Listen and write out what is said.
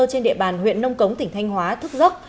trên địa bàn huyện nông cống tỉnh thanh hóa thức dốc